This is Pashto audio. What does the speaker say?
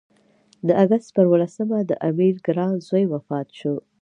د اګست پر اووه لسمه د امیر ګران زوی وفات شو.